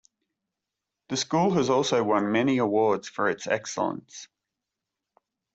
The school has also won many awards for its excellence.